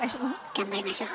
頑張りましょう。